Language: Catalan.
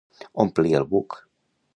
Omplir el buc.